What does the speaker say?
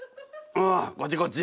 こっちこっち。